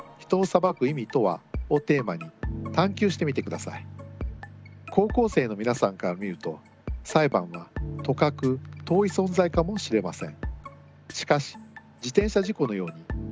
皆さんも高校生の皆さんから見ると裁判はとかく遠い存在かもしれません。